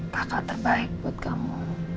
kaka terbaik buat kamu